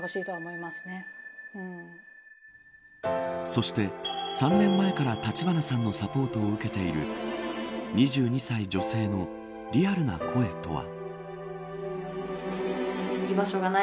そして３年前から橘さんのサポートを受けている２２歳女性のリアルな声とは。